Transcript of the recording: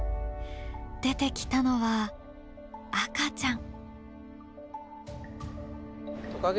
出てきたのは赤ちゃん。